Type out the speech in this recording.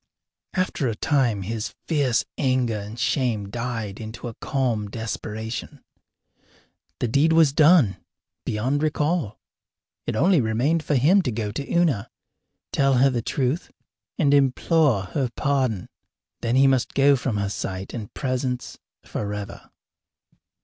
After a time his fierce anger and shame died into a calm desperation. The deed was done beyond recall. It only remained for him to go to Una, tell her the truth, and implore her pardon. Then he must go from her sight and presence forever.